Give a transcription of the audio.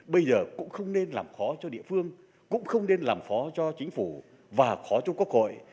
bây giờ cũng không nên làm khó cho địa phương cũng không nên làm phó cho chính phủ và khó cho quốc hội